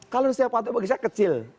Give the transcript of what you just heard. kalau di setianopanto bagi saya kecil